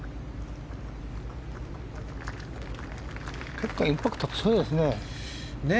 結構インパクト強いですね。